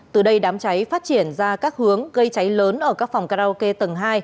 từ đây đám cháy phát triển ra các hướng gây cháy lớn ở các phòng karaoke tầng hai